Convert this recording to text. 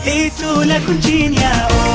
itu lah kuncinya